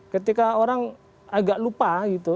ketika orang agak lupa gitu